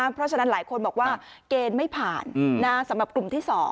เพราะฉะนั้นหลายคนบอกว่าเกณฑ์ไม่ผ่านสำหรับกลุ่มที่๒